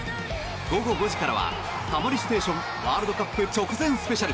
午後５時からは「タモリステーションワールドカップ直前ＳＰ」。